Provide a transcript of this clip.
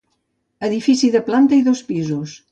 Edifici de planta i dos pisos.